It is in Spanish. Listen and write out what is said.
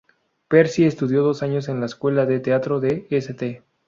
Percy estudió dos años en la escuela de teatro de St.